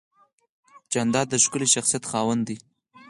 جانداد د ښکلي شخصیت خاوند دی.